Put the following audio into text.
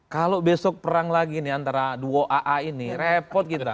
kalau besok perang lagi nih antara duo aa ini repot kita